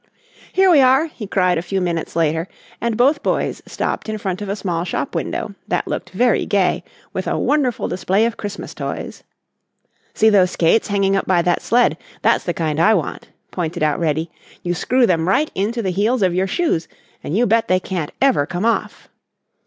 "Here we are," he cried a few minutes later and both boys stopped in front of a small shop window that looked very gay with a wonderful display of Christmas toys. "See those skates hanging up by that sled. That's the kind I want," pointed out Reddy. "You screw them right into the heels of your shoes and you bet they can't ever come off."